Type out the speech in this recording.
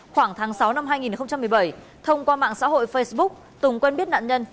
khoảng tháng sáu năm hai nghìn một mươi bảy thông qua mạng xã hội facebook tùng quen biết nạn nhân